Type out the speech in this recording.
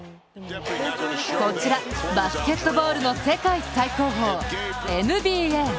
こちらバスケットボールの世界最高峰、ＮＢＡ。